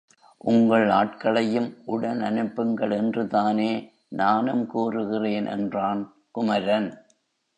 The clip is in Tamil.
உங்கள் ஆட்களையும் உடன் அனுப்புங்கள் என்றுதானே நானும் கூறுகிறேன் என்றான் குமரன்.